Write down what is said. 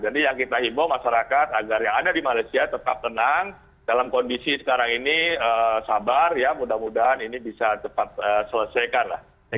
yang kita himbau masyarakat agar yang ada di malaysia tetap tenang dalam kondisi sekarang ini sabar ya mudah mudahan ini bisa cepat selesaikan lah